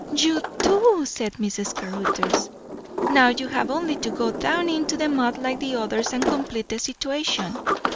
"You too!" said Miss Caruthers. "Now you have only to go down into the mud like the others and complete the situation.